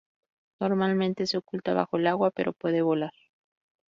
Normalmente se oculta bajo el agua, pero puede volar.